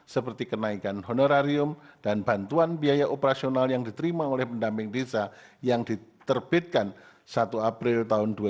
seperti kenaikan honorarium dan bantuan biaya operasional yang diterima oleh pendamping desa yang diterbitkan satu april dua ribu dua puluh